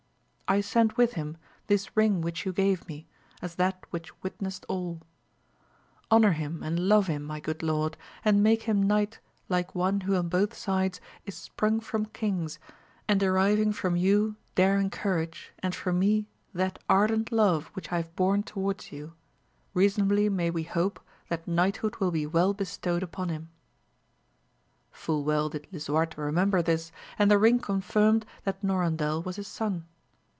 I 6end with him this ring AMADIS OF GAUL. 179 which you gave me, as that which 'witnessed alL Honour him and love him my good lord, and make him knight like one who on both sides is sprung fi om kings, and deriving from you daring courage, and from me that ardent love which I have borne towards you, reasonably may we hope that knighthood will be well bestowed upon him.) Full well did Lisuarte remember this, and the ring confirmed that Norandel was his son.